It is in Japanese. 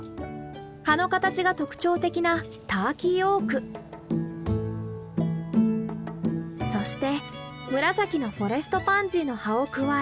葉の形が特徴的なターキーオークそして紫のフォレストパンジーの葉を加える。